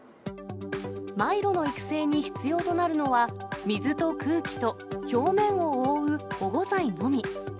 マイロの育成に必要となるのは、水と空気と表面を覆う保護材のみ。